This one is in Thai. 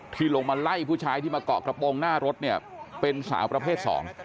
ที่ลงมาไล่ผู้ชายที่มาเกาะกระโปรงหน้ารถเนี่ยเป็นสาวประเภทสอง